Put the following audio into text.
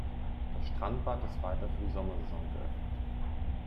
Das Strandbad ist weiter für die Sommersaison geöffnet.